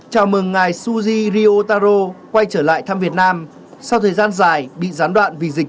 chào mừng ngài suzy ryotaro quay trở lại thăm việt nam sau thời gian dài bị gián đoạn vì dịch